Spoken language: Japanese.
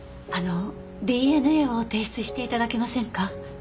あのＤＮＡを提出して頂けませんか？